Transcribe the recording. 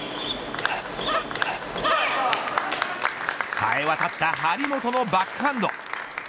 冴え渡った張本のバックハンド。